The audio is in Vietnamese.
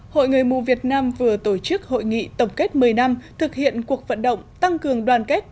hội người mù việt nam vừa tổ chức hội nghị tổng kết một mươi năm thực hiện cuộc vận động tăng cường đoàn kết